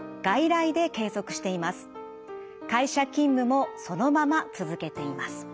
会社勤務もそのまま続けています。